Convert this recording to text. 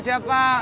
nasihatin aja pak